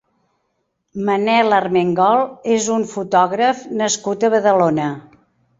Manel Armengol és un fotògraf nascut a Badalona.